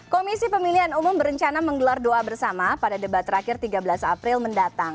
kamu berencana menggelar doa bersama pada debat terakhir tiga belas april mendatang